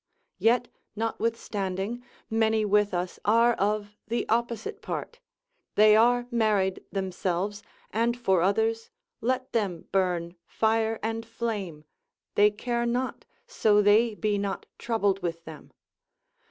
Yet, notwithstanding, many with us are of the opposite part, they are married themselves, and for others, let them burn, fire and flame, they care not, so they be not troubled with them.